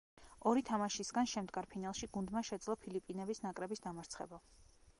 ორი თამაშისგან შემდგარ ფინალში გუნდმა შეძლო ფილიპინების ნაკრების დამარცხება.